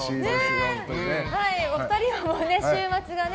お二人はね週末が。